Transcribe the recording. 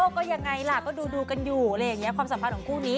เขาก็ดูค่ะความสัมพันธ์ของคู่นี้